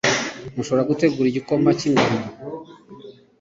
Mushobora gutegura igikoma cyingano